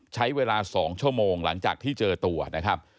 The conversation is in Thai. ใช้เวลา๒ชั่วโมงหลังจากที่เจอตัวนะครับ